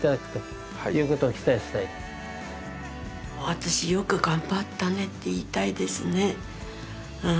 私よく頑張ったねって言いたいですね。